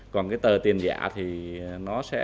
còn cái tờ tiền giả thì nó sẽ